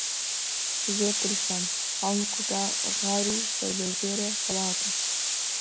زۆر ترسام، هەڵمکوتا غار و سەربەرەژێر هەڵاتم